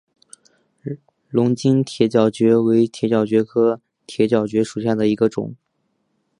龙津铁角蕨为铁角蕨科铁角蕨属下的一个种。